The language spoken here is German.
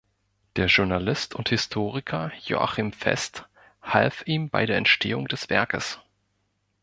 Der Journalist und Historiker Joachim Fest half ihm bei der Entstehung des Werkes.